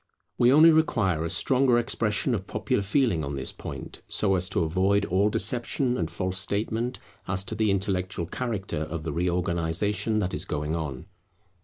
We only require a stronger expression of popular feeling on this point, so as to avoid all deception and false statement as to the intellectual character of the reorganization that is going on.